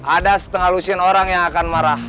ada setengah lusin orang yang akan marah